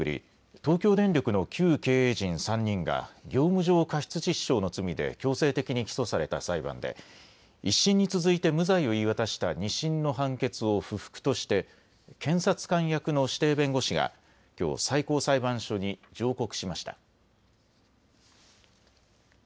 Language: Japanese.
東京電力の旧経営陣３人が業務上過失致死傷の罪で強制的に起訴された裁判で１審に続いて無罪を言い渡した２審の判決を不服として検察官役の指定弁護士が、きょう最高裁判所に上告しました。